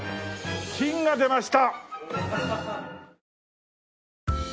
金が出ました！